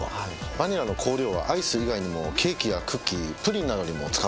バニラの香料はアイス以外にもケーキやクッキープリンなどにも使われますよ。